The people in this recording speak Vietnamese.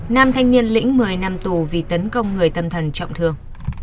nam thanh niên lĩnh một mươi năm tù vì tấn công người tâm thần trọng thương